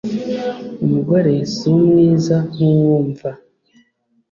umugore si umwiza nk'uwumva